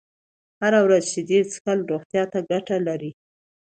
هره ورځ شيدې څښل روغتيا ته گټه لري